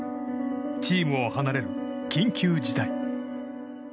チームを離れる緊急事態。